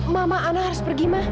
mama ana harus pergi mah